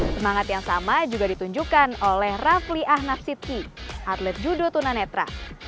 semangat yang sama juga ditunjukkan oleh rafli ahnaf sipki atlet judo tuna netra